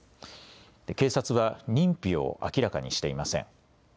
警察は認否を明らかにしていません。